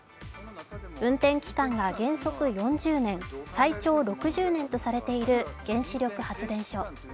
運転期間が原則４０年、最長６０年とされている原子力発電所。